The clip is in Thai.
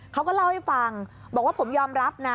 เขาก็เล่าให้ฟังบอกว่าผมยอมรับนะ